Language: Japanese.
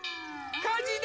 ・かじだ！